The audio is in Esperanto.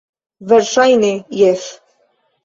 Verŝajne, jes...